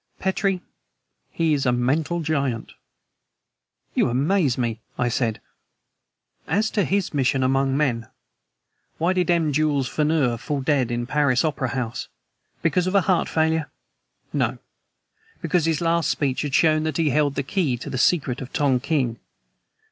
Petrie, he is a mental giant." "You amaze me!" I said. "As to his mission among men. Why did M. Jules Furneaux fall dead in a Paris opera house? Because of heart failure? No! Because his last speech had shown that he held the key to the secret of Tongking.